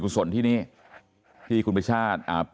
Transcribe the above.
กระดิ่งเสียงเรียกว่าเด็กน้อยจุดประดิ่ง